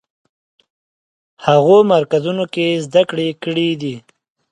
هغو مرکزونو کې زده کړې کړې دي.